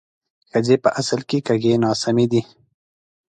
ښځې په اصل کې کږې ناسمې دي